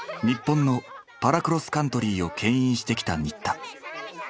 日本のパラクロスカントリーをけん引してきた新田